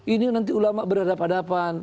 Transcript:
ini nanti ulama berhadapan hadapan